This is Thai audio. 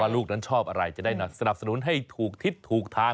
ลูกนั้นชอบอะไรจะได้สนับสนุนให้ถูกทิศถูกทาง